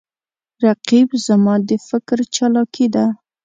رقیب زما د فکر چالاکي ده